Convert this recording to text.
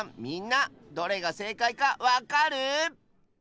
みんなどれがせいかいかわかる？